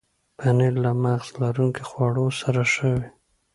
پنېر له مغز لرونکو خواړو سره ښه وي.